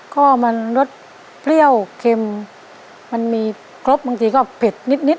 ก็มันรสเปรี้ยวเค็มมันมีครบบางทีก็เผ็ดนิดนิด